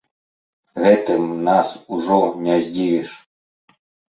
Гэтым нас ужо не здзівіш.